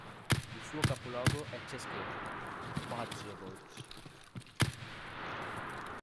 Il suo capoluogo è České Budějovice.